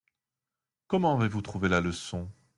Comment avez-vous trouvé la leçon ?